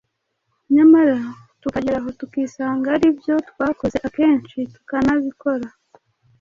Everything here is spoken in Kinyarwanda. nyamara tukagera aho tukisanga ari byo twakoze akenshi tukanabikora